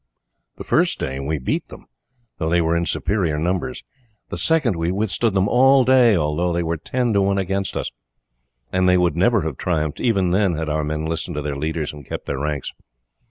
The first day we beat them, though they were in superior numbers, the second we withstood them all day, although they were ten to one against us, and they would never have triumphed even then had our men listened to their leaders and kept their ranks.